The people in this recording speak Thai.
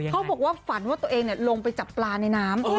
เขาบอกว่าฝันว่าตัวเองลงไปจับปลาในน้ำ